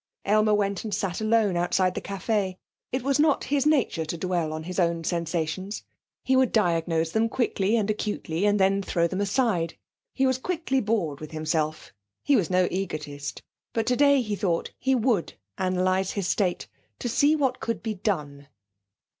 Aylmer went and sat alone outside the café. It was not his nature to dwell on his own sensations. He would diagnose them quickly and acutely, and then throw them aside. He was quickly bored with himself; he was no egotist. But today, he thought, he would analyse his state, to see what could be done.